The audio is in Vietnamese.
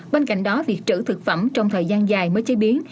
bên cạnh đó việc trữ thực phẩm trong thời gian dài mới chế biến